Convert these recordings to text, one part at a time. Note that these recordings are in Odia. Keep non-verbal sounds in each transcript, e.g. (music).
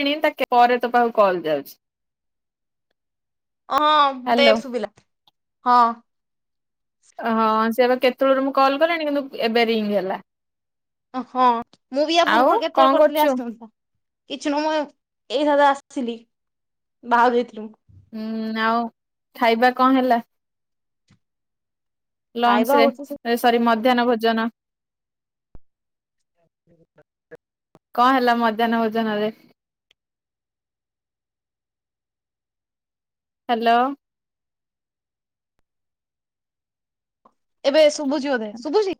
କିଣି ତା ପରେ ତୋ ପାଖକୁ କଲ୍ ଯାଉଚି। ଓ ମତେ ଏବେ ଶୁଭିଲା ହଁ। ହଁ ସେପା କେତେବେଳରୁ ମୁଁ କଲ୍ କଲିଣି କିନ୍ତୁ ଏବେ ରିଙ୍ଗ ହେଲା। ହଁ ମୁଁ ବି ୟା ଆଉ ପୂର୍ବରୁ କଣ କେତେଥର କରିଥିଲି କରୁଛୁ? ଆସିନଥିଲା କିଛି ନୁହ ମୁଁ ଏଇ ଆ ନଥିଲି ବାହାରକୁ ଯାଇଥିଲି ମୁଁ। ହୁଁ ଆଉ ଖାଇବା କଣ ହେଲା? ଖାଇବା ଲଞ୍ଚ ରେ ହଉଛି ସେ ସରି ମଧ୍ୟାହ୍ନ ଭୋଜନ। (unintelligible) କଣ ହେଲା ମଧ୍ୟାହ୍ନ ଭୋଜନ ରେ। ହାଲୋ। ଏବେ ଶୁଭୁଚି ବୋଧେ ଶୁଭୁଚି।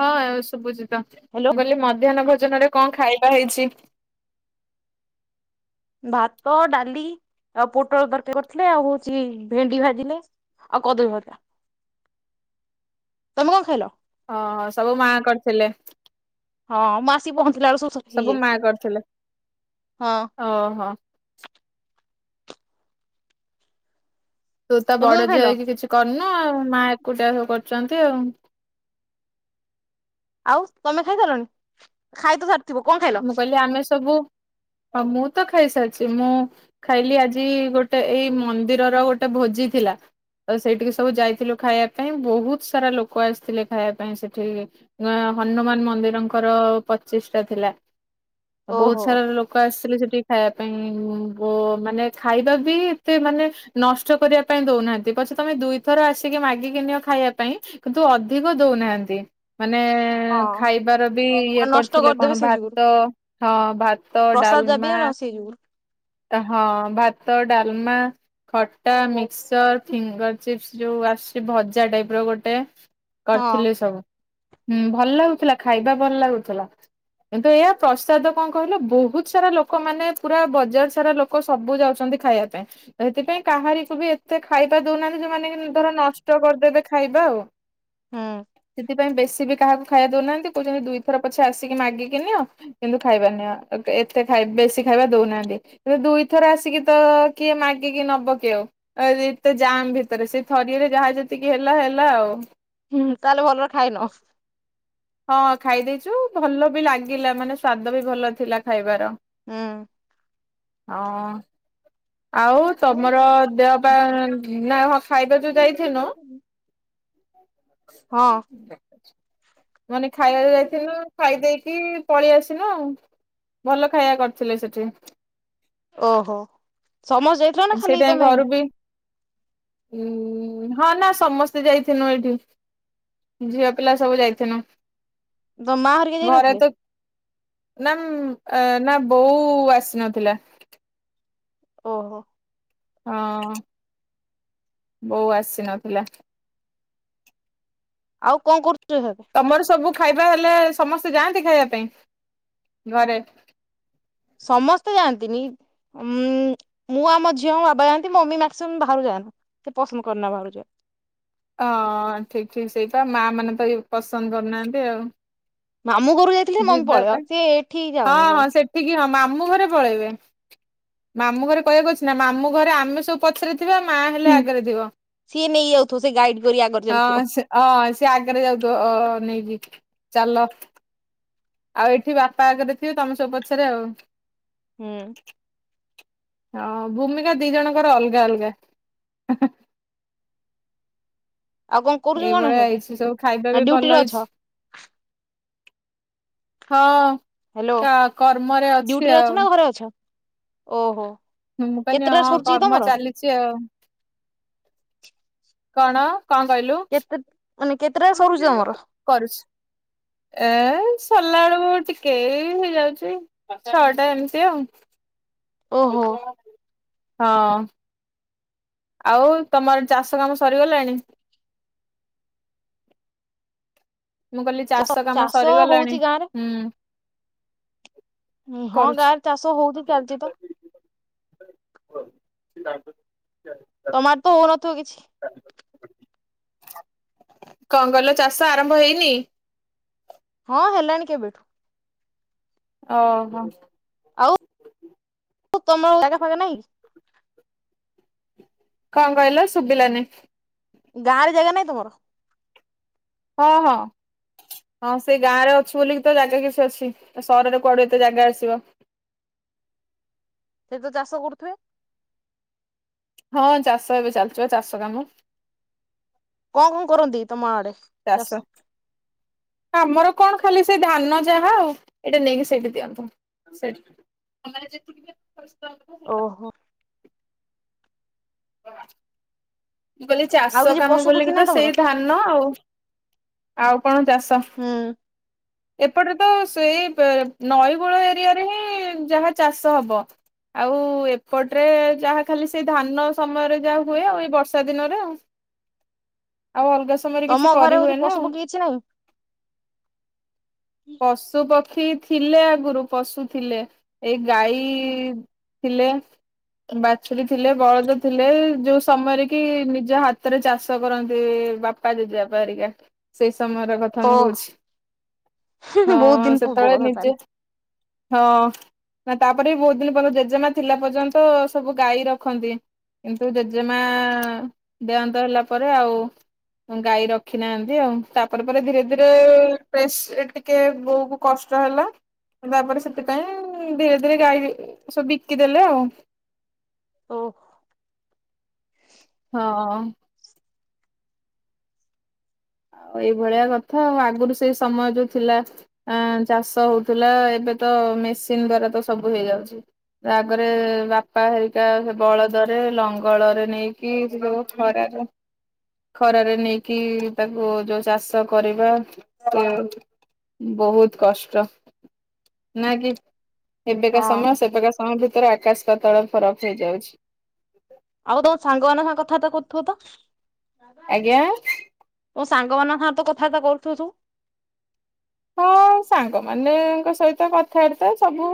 ହଁ ଏବେ ଶୁଭୁଚିତ ମୁଁ କହିଲି ମଧ୍ୟାହ୍ନ ଭୋଜନରେ କଣ ଖାଇବା ହେଇଚି? (inaudible) ଭାତ ଡାଲି ଆଉ ପୋଟଳ ତରକାର କରିଥିଲେ ଆଉ ହଉଚି ଭେଣ୍ଡି ଭାଜିଲେ। ଆଉ କଦଳୀ ଭଜା ତମେ କଣ ଖାଇଲ? ହଁ ସବୁ ମା କରିଥିଲେ। ହଁ ମୁଁ ଆସିକି ପହଞ୍ଚିଲା ବେଳକୁ ସ ହେଇଯାଇ ଓ ହୋ। ତୁ ତ ତମେ ବଡ଼ କଣ ଝିଅ ଖାଇଲ ହେଇକି କିଛି କରିନୁ-ଉ ମା ଏକୁଟିଆ ସବୁ କରୁୁ ଛନ୍ତି ଆଉ। ଆଉ ତମେ ଖାଇ ସାରିଲଣି ଖାଇ ତ ସାରିଥିବ କଣ ଖାଇଲ? ହ ମୁଁ ତ ଖାଇସାରିଛି ମୁଁ ଖାଇଲି ଆଜି ଗୋଟେ ଏଇ ମନ୍ଦିରର ଗୋଟେ ଭୋ ଭୋଜିଥିଲା। ତ ସେଇଠିକି ସବୁ ଯାଇଥିଲୁ ଖାଇବା ପାଇଁ ବହୁତ ସାରା ଲୋକ ଆସିଥିଲେ ଖାଇବା ପାଇଁ ସେଠି ଅ ହନୁମାନ ମନ୍ଦିରଙ୍କର ପଚିଷ୍ଟା ଥିଲା, ବହୁତ ଓହୋ ସାରା ଲୋକ ଆସିଥିଲେ ସେଠି ଖାଇବା ପାଇଁ ବୋ ମାନେ ଖାଇବା ବି ଏତେ ମାନେ ନଷ୍ଟ କରିବା ପାଇଁ ଦଉନାହାନ୍ତି ପ ପଛେ ତମେ ଦୁଇଥର ଆସିକି ମାଗିକିନିଅ ଖାଇବା ପାଇଁ କିନ୍ତୁ ଅଧିକ ଦଉନାହାନ୍ତି। ମାନେ-ଏ ଖାଇବାର ବି ହଁ ଇଏ ନଷ୍ଟ କରିଥିଲେ କରିଦେବେ ସେଇ ଯୁଗୁରୁ ଭାତ-ଅ ହଁ ଭାତ ପ୍ରସାଦ ଯାବି ଡାଲମା ଆଉ ନ ସେଇ ଯୁଗୁରୁ ହଁ ଭାତ ଡ଼ାଲମା ଖଟା ମିକ୍ସଚର ଫିଙ୍ଗର ଚିପ୍ସ ଯୋଉ ଆସୁଚି ଭଜା ଟାଇପ୍ ର ଗୋଟେ ହଁ କରିଥିଲେ ସବୁ ହଁ ଭଲ ଲାଗୁଥିଲା ଖାଇବା ଭଲ ଲାଗୁଥିଲା। କିନ୍ତୁ ଏଇଆ ପ୍ରସାଦ କଣ କହିଲ ବହୁତ ସାରା ଲୋକମାନେ ପୁରା ବଜାର ସାରା ଲୋକ ସବୁ ଯାଉଛନ୍ତି ଖାଇବା ପାଇଁ ତ ସେଥିପାଇଁ କାହାରିକୁ ବି ଏତେ ଖାଇବା ଦଉନାହାନ୍ତି ଯୋଉମାନେ ଧର ନଷ୍ଟ କରିଦେବେ ଖାଇବା ଆଉ ହୁଁ। ସେଥିପାଇଁ ବେଶୀ ବି କାହାକୁ ଖାଇବା ଦଉନାହାନ୍ତି କହୁଛନ୍ତି ଦୁଇଥର ପଛେ ଆସିକି ମାଗିକି ନିଅ କିନ୍ତୁ ଖାଇବା ନିଅ ଆଗେ ଏତେ ଖାଇ ବେଶୀ ଖାଇବା ଦଉନାହାନ୍ତି। ଦୁଇ ଥର ଆସିକି ତ କିଏ ମାଗିକି ନବ କି ଆଉ ଏତେ ଯାମ୍ ଭିତରେ ସେଇ ଥରିରେ ସେ ଯାହା ଯେତିକି ହେଲା ହେଲା ଆଉ ହୁଁ ତାହେଲେ ଭଲରେ ଖାଇନ? ହଁ ଖାଇ ଦେଇଛୁ ଭଲ ବି ଲାଗିଲା, ମାନେ ସ୍ଵାଦ ବି ଭଲ ଥିଲା ଖାଇବାର। ଉଁ। ଅଁ ଆଉ ତମର ହୁଁ। ଦେହ ପା ନା ହ ଖାଇବା ଯୋଉ ଯାଇଥନୁ ହଁ। ମାନେ ଖାଇବାରେ ଯାଇଥିନୁ ଖାଇ ଦେଇକି ପଳେଇ ଆସିନୁ ଆଉ। ଭଲ ଖାଇବା କରିଥିଲେ ସେଠି ଓହୋ ସମସ୍ତେ ଯାଇଥିଲ ନା ଖାଲି ସେଇଥିପାଇଁ ତମେ? ଘରୁ ବି ଉଁ ହଁ ନା ସମସ୍ତେ ଯାଇଥିନୁ ଏଇଠି ଝିଅ ପିଲା ସବୁ ଯାଇଥିନୁ। ତ ମା ହେରିକା ଯାଇନଥିଲେ? ନାନ ନାଁ ବୋଉ ଆସିନଥିଲା। ଓହୋ। ହଁ-ଅ। ବୋଉ ଆସିନଥିଲା। ଆଉ କଣ କରୁୁ ତମର ସବୁ ଖାଇବା ହେଲେ ସମସ୍ତେ ଯାଆନ୍ତି ଖାଇବା ପାଇଁ ଘରେ? ସମସ୍ତେ ଯାଆନ୍ତିନି ଉ ମୁଁ ଆମ ଝିଅଙ୍କ ବାବା ଯାଆନ୍ତି ମମି ମାକ୍ମମ୍ ବାହାରୁ ଯାଆନ୍ତି। ସେ ପସନ୍ଦ କରନ ବାହାରୁଛ ହ ଠିକ ଠିକ ସେଇପା ମା ମାନେ ତ ପସନ୍ଦ କରୁନାହାନ୍ତି ଆଉ। ମାମୁଁ ଘରୁ ଯାଇଥିଲେ ମମି ଯିବା ପଳେଇବ ପାଇଁ ସେ ଏଠି ହଁ ଯାଉନି ହଁ କୁଆଡେ। ସେଠିକି ହଁ ମା ମଁ ଘରେ ପଳେଇବେ ମାମୁ ଘରେ କହିବାକୁ ଅ ନା ମାମୁ ଘରେ ଆମେ ସବୁ ପଛରେ ଥିବା ମା ହେଲେ ହୁଁ ଆଗରେ ଥିବ। ସିଏ ନେଇ ଯାଉଥିବ ସେ ଗାଇଡ୍ କରି ଆଗରେ ଚାଲିଥିବ ହଁ ସେ ହଁ ସେ ଆଗରେ ଯାଉଥିବ ଅ ନେଇ ଚାଲ ଆଉ ଏଠି ବାପା ଆଗରେ ଥିବେ ତମ ସବୁ ପଛରେ ଆଉ। ହୁଁ। ହଁ ଭୂମିକା ଦି ଜଣଙ୍କର ଅଲଗା ଅଲଗା ଆଉ କଣ କରୁଛୁ କନେ ଏଇଭଳିଆ ସେତେ ହେଇଛି ସବୁ ଖାଇବା ବି ନା ଭଲ ଡୁଟି ରେ ହେଇଛି। ଅଛ? ହଁ ହ୍ୟାଲୋ କ କର୍ମରେ ଅଛି ଡ୍ୟୁଟିରେ ଅଛ ଆଉ। ନା ଘରେ ଅଛ ଓହୋ। ମୁଁ କିଲି କେତେଟାରେ ହଁ ସରୁଛି କି କର୍ମ ତମର? ଚାଲିଛି ଆଉ। କଣ କଣ କହିଲୁ? କେତେ ମାନେ କେତେଟା ସରୁଛି ତମର? କରୁଛି ଏ ସଲାଡ ଟ କେ ହେଇଯାଉଛି ଛଅଟା ଏମିତି ଆଉ। ଓହୋ ହଁ। ଆଉ ତମର ଚାଷ କାମ ସରିଗଲାଣି? ମୁଁ କହିଲି ଚାଷ କାମ ସରିଗଲାଣି? ହଉଛି ଗାଁ ରେ? ହୁଁ। ହଁ କରୁଛି। ଗାଁରେ ଚାଷ ହଉଛି ଚାଲିଛି ତ (inaudible) ତମର ତ ହଉନଥିବ କିଛି? କଙ୍ଗଲ ଚାଷ ଆରମ୍ଭ ହେଇନି? ହଁ ହେଲାଣି କେବେଠୁ। ଓହୋ। ଆଉ ତମର ଜାଗା ଫାଗା ନାଇଁ? କଣ କହିଲ ଶୁଭିଲାନ? ଗାଁରେ ଜାଗା ନାଇଁ ତମର? ହଁ ହଁ। ହଁ ସେ ଗାଁ ରେ ଅଛି ବୋଲି ତ ଜାଗା କିଛି ଅଛି ସହରରେ କୁଆଡୁ ଏତେ ଜାଗା ଆସିବ? ସେ ତ ଚାଷ କରୁଥିବେ? ହଁ ଚାଷ ଏବେ ଚାଲିଚ ଚାଷ କାମ। କଣ କଣ କରନ୍ତି ତମ ଆଡେ? ଚାଷ। ଆମର କଣ ଖାଲି ସେ ଧାନ ଯାହା ଆଉ ଏଇଟା ନେଇକି ସେଇଠି ଦିଅ ସେଇଠି ତମର ଯେତିକି କେତେ (unintelligible) ଓହୋ ମୁଁ କହିଲି ଆଉ ଚାଷ କିଛି କାମ ପଶୁ ପକ୍ଷୀ ବୋଲିକି ତ ନାହିଁ ତମର? ସେଇ ଧାନ ଆଉ ଆଉ କଣ ଚାଷ ହୁଁ ଏପଟେ ତ ତ ଏଇ ବ ନଇ କୂଳ ଏରିଆରେ ହିଁ ଯାହା ଚାଷ ହବ। ଆଉ ଏପଟରେ ଯାହା ଖାଲି ସେଇ ଧାନ ସମୟରେ ଯାହା ହୁଏ ଏଇ ବର୍ଷ ବର୍ଷା ଦିନରେ ଆଉ। ଆଉ ଅଲଗା ସମୟରେ ତମ କିଛି ଘରେ ହଉଛି କରିହୁଏନା ପଶୁ ଆଉ। ପକ୍ଷୀ କିଛି ନାହିଁ? ପଶୁ ପ ପକ୍ଷୀ ଥିଲେ ଆଗରୁ ପଶୁ ଥିଲେ ଏଇ ଗାଈ ଥିଲେ ବାଛୁରୀ ଥିଲେ ବଳଦ ଥିଲେ ଯୋଉ ସମୟରେ କି ନିଜ ହାତରେ ଚାଷ କରନ୍ତି। ବାପା ଜେଜେବାପା ହେରିକା ସେଇ ସମୟର କଥା ଓ ମୁଁ କହୁଛି। ହଁ ବହୁତ ଦିନ ପୂର୍ବ ସେତେବେଳେ କଥା ନିଜେ ତାହେଲେ ହଁ। ନା ତାପରେ ବି ବହୁତ ଦିନ ପରେ ଜେଜେମା ଥିଲା ପର୍ଯ୍ୟନ୍ତ ସବୁ ଗାଈ ରଖନ୍ତି। କିନ୍ତୁ ଜେଜେମା ଦେହାନ୍ତ ହେଲା ପରେ ଆଉ ଗାଈ ରଖି ନାହାନ୍ତି ଆଉ ତାପରେ ପରେ ଧୀରେ ଧୀରେ ପେସ୍ ରେ ଟିକେ ବୋଉ କୁ କଷ୍ଟ ହେଲା। ତାପରେ ସେଥିପାଇଁ ଧୀରେ ଧୀରେ ଗାଈ ସବୁ ବିକିଦେଲେ ଆଉ। ଓ। ହଁ। ଆଉ ଏଇଭଳିଆ କଥା ଆଉ ଆଗରୁ ସେଇ ସମୟ ଯୋଉ ଥିଲା ଆଁ ଚାଷ ହଉଥିଲା ଏ ଏବେ ତ ମେସିନ ଦ୍ଵାରା ତ ସବୁ ହେଇଯାଉଛି। ଆଗରେ ବାପା ହେରିକା ସେ ବଳଦରେ ଲଙ୍ଗଳରେ ନେଇକି ଯୋଉ ଖରା ଖରାରେ ନେଇକି ତାକୁ ଯୋଉ ଚାଷ କରିବା ସେ ବହୁତ କଷ୍ଟ। ନା କି। ଏବେକା ହଁ ସମୟ ସେବେକା ସମୟ ଭିତରେ ଆକାଶ ପାତାଳ ଫରକ ହେଇଯାଉଛି। ଆଉ ତମ ସାଙ୍ଗ ମାନଙ୍କ ସାଙ୍ଗେ କଥାବାର୍ତ୍ତା କରୁଥିବ ତ? ଆଜ୍ଞା। ତମ ସାଙ୍ଗ ମାନଙ୍କ ସାଙ୍ଗରେ କଥାବାର୍ତ୍ତା କରୁଥୁୁବ ସବୁ। ହଁ ସାଙ୍ଗ ମାନେ ଙ୍କ ସହିତ କଥାବାର୍ତ୍ତା ସବୁ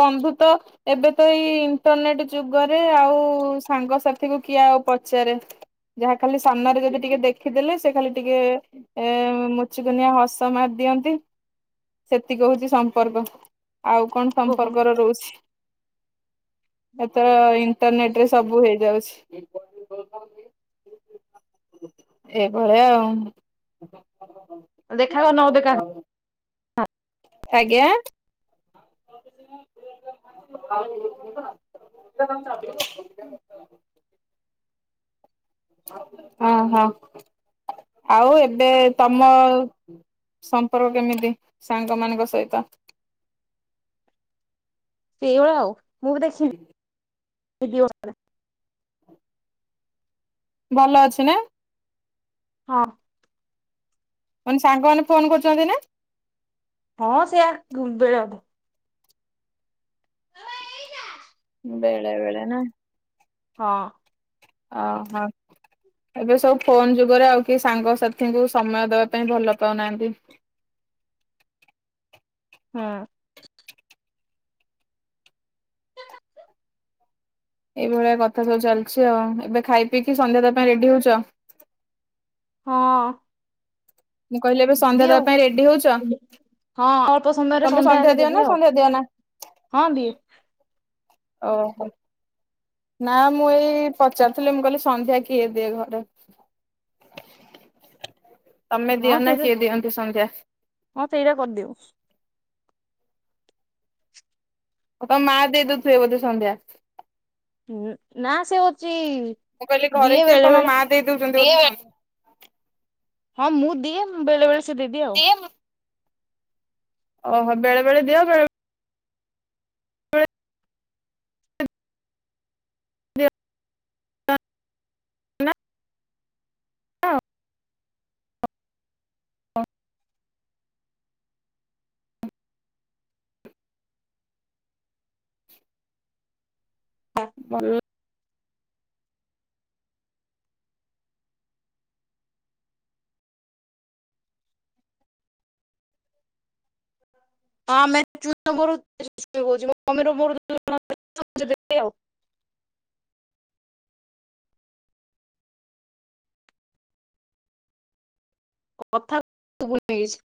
ବନ୍ଧୁ ତ ଏବେ ତ ଏଇ ଇଣ୍ଟରନେଟ ଯୁଗରେ ଆଉ ସାଙ୍ଗସାଥି କୁ କିଏ ଆଉ ପଚାରେ। ଯାହା ଖାଲି ସାମ୍ମାନରେ ରେ ଯଦି ଟିକେ ଦେଖିଦେଲେ ସେ ଖାଲି ଟିକେ ଏ ମୁଚୁ କୁଣ୍ଡିଆ ହସ ମାରିଦିଅନ୍ତି। ସେତିକି ହଉଛି ସମ୍ପର୍କ ଆଉ କଣ ଓହୋ ସମ୍ପର୍କ ର ରହୁଛି। ଏତ ଇଣ୍ଟରନେଟ ରେ ସବୁ ହେଇଯାଉଛି। ଏ ଭଳିଆ ଆଉ। ଦେଖା ହବ ନ ଦେଖା ଆଜ୍ଞା। । ଆ। ହଁ ହଁ ଆଉ ଏବେ ତମ ସମ୍ପର୍କ କେମିତି ସାଙ୍ଗମାନଙ୍କ ସହିତ? । ସେଇଭଳିଆ ଆଉ ମୁଁ ବି ଦେଖି। ଭଲ ଅଛି ନା। ହଁ। ମାନେ ସାଙ୍ଗମାନେ ଫୋନ କରୁଛନ୍ତି ନା? ହଁ ସେୟା (inaudible) ବେଳେ ବେଳେ ନା। ହଁ। ଓ ହୋ। ଏବେ ସବୁ ଫୋନ ଯୁଗରେ ଆଉ କିଏ ସାଙ୍ଗସାଥିଙ୍କୁ ସମୟ ଦେବା ପାଇଁ ଭଲ ପାଉନାହାନ୍ତି। ହଁ। ଏଇଭଳିଆ କଥା ସବୁ ଚାଲିଛି ଆଉ ଏବେ ଖାଇ ପିଇକି ସନ୍ଧ୍ୟା ଦବା ତା ପାଇଁ ରେଡି ହଉଛ। ହଁ। ମୁଁ କହିଲି ଏବେ ସନ୍ଧ୍ୟା ଦେବି ଦେବା ଆଉ ପାଇଁ ରେଡି ହଉଛ। ହଁ ଅଳ୍ପ ସମୟରେ ତମେ ସନ୍ଧ୍ୟା ହେଲେ ଦିଅ ନା ଦେବି ଆଉ ସନ୍ଧ୍ୟା ଦିଅ ହଁ ଦିଏ। ଓ ହୋ। ନା ମୁଁ ଏଇ ପଚାରୁିଥିଲି ମୁଁ କହିଲି ସନ୍ଧ୍ୟା କିଏ ଦିଏ ଘରେ। (inaudible) ତମେ ହଁ ଦିଅ ନା ସେଇଟା କିଏ ଦିଅନ୍ତି ସନ୍ଧ୍ୟା? (inaudible) ହଁ ସେଇଟା କରିଦଉ। ତମ ମା ଦେଇଦେଉଥିବେ ବୋଧେ ସନ୍ଧ୍ୟା। ନା ସେ ହଉଚି। ମୁଁ କହିଲି ଘରେ କିଏ ତମ ମା ଦେଇ ଦେଉଛନ୍ତି? (unintelligible) ହଁ ମୁଁ ଦିଏ ବେଳେ ବେଳେ ସେ ଦେଇଦିଏ ଆଉ। ଓହୋ ବେଳେ ବେଳେ ଦିଅ ବେଳେ (unintelligible) (unintelligible) (inaudible) (inaudible) ଭଲ। ହଁ ଆମେ (unintelligible) (unintelligible) ଆଉ। କଥା। (unintelligible)